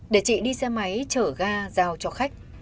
để chị đi xe máy chở ga giao cho khách